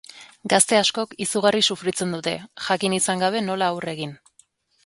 Gazte askok izugarri sufritzen dute, jakin izan gabe nola aurre egin.